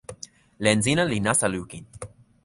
len sina li nasa lukin.